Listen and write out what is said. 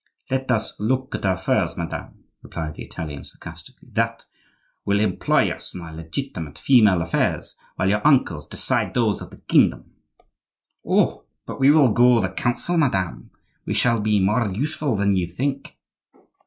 "Let us look at our furs, madame," replied the Italian, sarcastically; "that will employ us on our legitimate female affairs while your uncles decide those of the kingdom." "Oh! but we will go the Council, madame; we shall be more useful than you think."